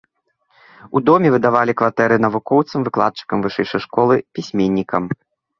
У доме выдавалі кватэры навукоўцам, выкладчыкам вышэйшай школы, пісьменнікам.